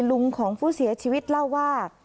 ลุงของผู้เสียชีวิตเล่าว่า